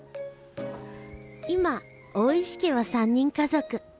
今大石家は３人家族。